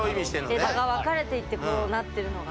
枝が分かれていってこうなってるのが。